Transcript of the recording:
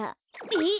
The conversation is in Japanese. えっ？